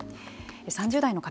３０代の方。